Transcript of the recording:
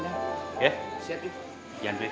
bener ching keywordsnya belasang rudek